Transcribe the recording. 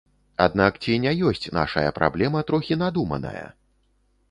Аднак ці не ёсць нашая праблема трохі надуманая?